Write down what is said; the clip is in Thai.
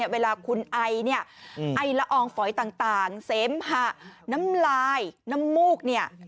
เวลาคุณไอไอละอองฝอยต่างเสมหะน้ำลายน้ำมูก